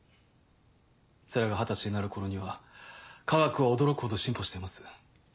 星来が二十歳になる頃には科学は驚くほど進歩しています。